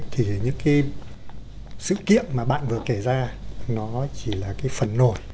thì những sự kiện mà bạn vừa kể ra chỉ là phần nổi